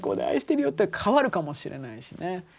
愛してるよ」って変わるかもしれないしね。